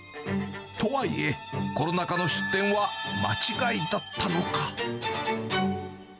とはいえ、コロナ禍の出店は間違いだったのか。